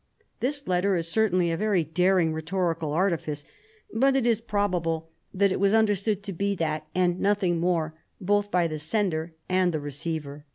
This letter is certainly a very daring rhetorical artifice, but it is probable that it was 100 CHARLEMAGNE. understood to be that and nothing more, both by the sender and the receiver.